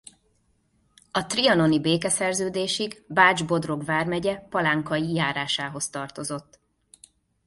A trianoni békeszerződésig Bács-Bodrog vármegye Palánkai járásához tartozott.